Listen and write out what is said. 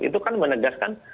itu kan menegaskan